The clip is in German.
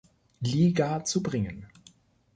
Liga zu bringen.